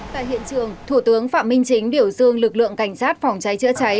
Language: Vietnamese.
tại hiện trường thủ tướng phạm minh chính biểu dương lực lượng cảnh sát phòng cháy chữa cháy